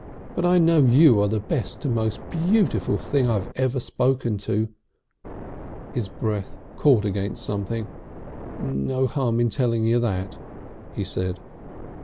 But I know you are the best and most beautiful thing I've ever spoken to." His breath caught against something. "No harm in telling you that," he said.